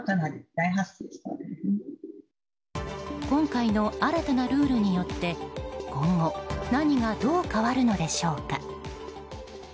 今回の新たなルールによって今後、何がどう変わるのでしょうか。